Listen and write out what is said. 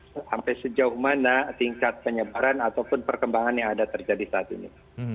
sampai sejauh mana tingkat penyebaran ataupun perkembangan yang ada terjadi saat ini